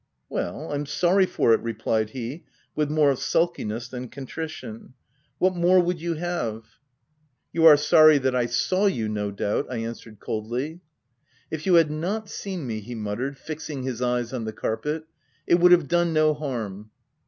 ''" Well, I'm sorry for it," replied he, with more of sulkiness than contrition :" what more would you have V* 140 THE TENANT " You are sorry that I saw you, no doubt," I answered coldly. t€ If you had not seen me,'' he muttered, fixing his eyes on the carpet, " it would have done no harm."